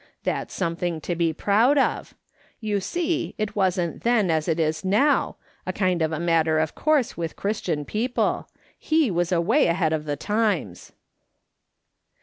That's something to be l)roud of. You see, it wasn't then as it is now, a kind of a matter of course with Christian people ; he was way ahead of the times."